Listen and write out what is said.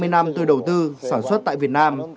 hai mươi năm tôi đầu tư sản xuất tại việt nam